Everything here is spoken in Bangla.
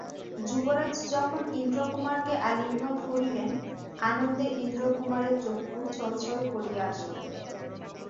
যুবরাজ যখন ইন্দ্রকুমারকে আলিঙ্গন করিলেন, আনন্দে ইন্দ্রকুমারের চক্ষু ছল ছল করিয়া আসিল।